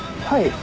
はい。